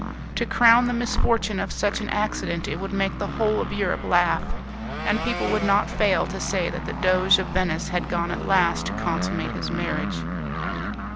To crown the misfortune of such an accident it would make the whole of Europe laugh, and people would not fail to say that the Doge of Venice had gone at last to consummate his marriage.